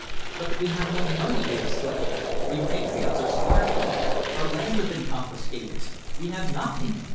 "But we have no money!" he exclaimed. "We patriots are starving. Our lands have been confiscated. We have nothing.